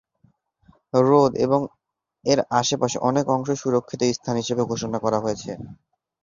হ্রদ এবং এর আশপাশের অনেক অংশই সুরক্ষিত স্থান হিসাবে ঘোষণা করা হয়েছে।